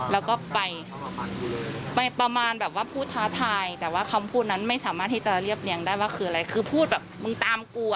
แล้วก็ไปประมาณแบบว่าพูดท้าทายแต่ว่าคำพูดนั้นไม่สามารถที่จะเรียบเรียงได้ว่าคืออะไรคือพูดแบบมึงตามกูอ่ะ